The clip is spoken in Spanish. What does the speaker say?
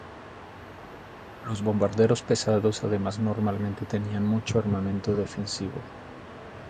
Los bombarderos pesados además normalmente tenían mucho armamento defensivo.